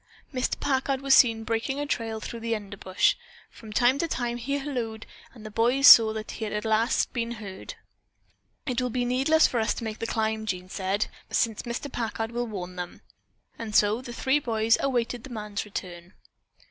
Mr. Packard was seen breaking a trail through the underbrush. From time to time he hallooed, and the boys saw that at last he had been heard. "It will be needless for us to make the climb," Jean said, "since Mr. Packard will warn them," and so the three boys awaited the man's return.